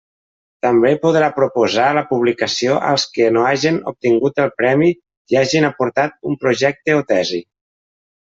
També podrà proposar la publicació als que no hagen obtingut el premi i hagen aportat un projecte o tesi.